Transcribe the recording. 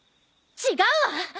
違うわ！